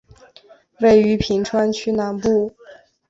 位于品川区南部。